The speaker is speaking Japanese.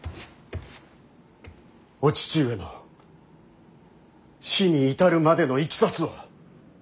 お父上の死に至るまでのいきさつを。